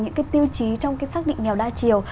những cái tiêu chí trong cái xác định nghèo đa chiều